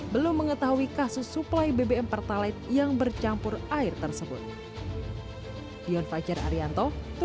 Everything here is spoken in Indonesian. belum mengetahui kasus suplai bbm pertalite yang bercampur air tersebut